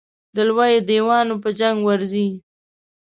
د لویو دېوانو په جنګ ورځي.